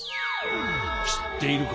しっているか？